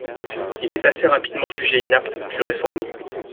Il est assez rapidement jugé inapte puis réformé.